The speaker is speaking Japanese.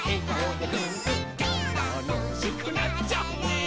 「たのしくなっちゃうね」